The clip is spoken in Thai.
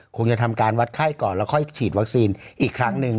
คงจะทำการวัดไข้ก่อนแล้วค่อยฉีดวัคซีนอีกครั้งหนึ่ง